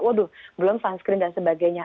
waduh belum sunscreen dan sebagainya